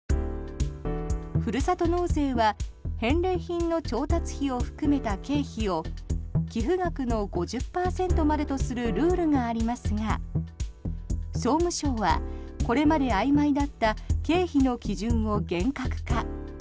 ふるさと納税は返礼品の調達費を含めた経費を寄付額の５０％までとするルールがありますが総務省は、これまで曖昧だった経費の基準を厳格化。